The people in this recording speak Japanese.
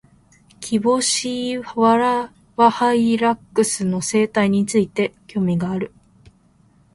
キボシイワハイラックスの生態について、興味がある。